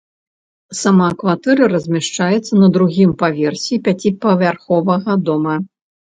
Сама кватэра размяшчаецца на другім паверсе пяціпавярховага дома.